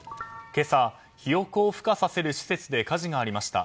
今朝ヒヨコを孵化させる施設で火事がありました。